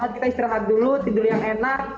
kita istirahat dulu tidur yang enak